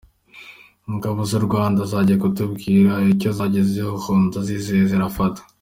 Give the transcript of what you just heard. Ingabo z’ u Rwanda zize kutubwira icyo zagezeho ndazizeye zirafata.